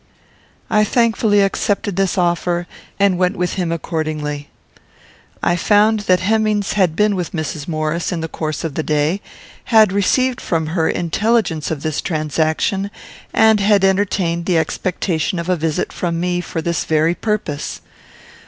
I thankfully accepted this offer, and went with him accordingly. I found that Hemmings had been with Mrs. Maurice in the course of the day; had received from her intelligence of this transaction, and had entertained the expectation of a visit from me for this very purpose.